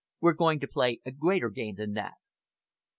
We're going to play a greater game than that!"